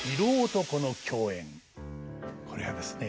これはですね